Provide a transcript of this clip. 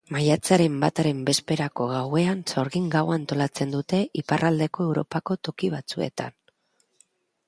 Maiatzaren bataren bezperako gauean sorgin gaua antolatzen dute Iparraldeko Europako toki batzuetan.